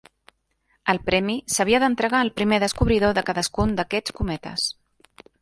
El premi s'havia d'entregar al primer descobridor de cadascun d'aquests cometes.